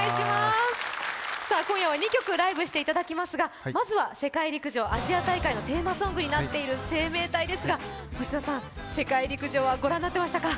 今夜は２曲ライブしていただきますが、まずは世界陸上、アジア大会のテーマソングになっている「生命体」ですが、世界陸上はご覧になってましたか？